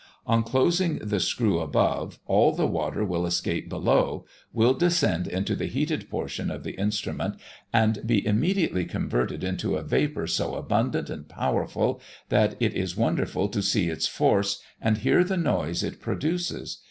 On closing the screw above, all the water will escape below, will descend into the heated portion of the instrument, and be immediately converted into a vapour so abundant and powerful, that it is wonderful to see its force, and hear the noise it produces.